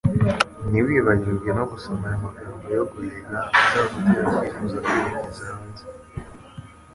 Ntiwibagirwe no gusoma aya magambo yo guhiga azagutera kwifuza kwerekeza hanze.